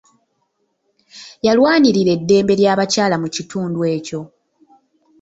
Yalwanirira eddembe ly'abakyala mu kitundu ekyo.